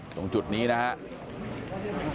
ตรงจุดนี้นะครับ